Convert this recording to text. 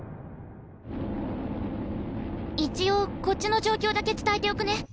一応こっちの状況だけ伝えておくね。